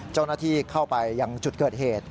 เจ้าหน้าที่เข้าไปยังจุดเกิดเหตุ